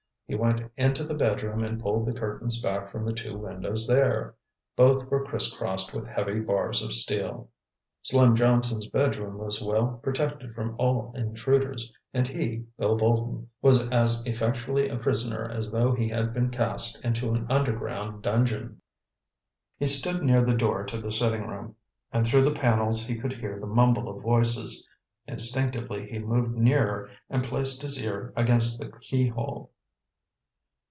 He went into the bedroom and pulled the curtains back from the two windows there. Both were crisscrossed with heavy bars of steel. Slim Johnson's bedroom was well protected from all intruders, and he, Bill Bolton, was as effectually a prisoner as though he had been cast into an underground dungeon. He stood near the door to the sitting room, and through the panels he could hear the mumble of voices. Instinctively he moved nearer and placed his ear against the keyhole.